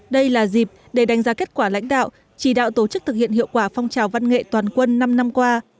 đây là dịp để đánh giá kết quả lãnh đạo chỉ đạo tổ chức thực hiện hiệu quả phong trào văn nghệ toàn quân năm năm qua